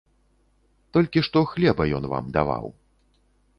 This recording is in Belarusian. Толькі што хлеба ён вам даваў.